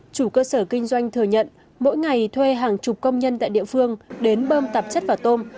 chủ cơ sở kinh doanh thừa nhận mỗi ngày thuê hàng chục công nhân tại địa phương đến bơm tạp chất vào tôm